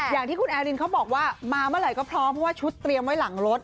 อย่างที่คุณแอรินเขาบอกว่ามาเมื่อไหร่ก็พร้อมเพราะว่าชุดเตรียมไว้หลังรถ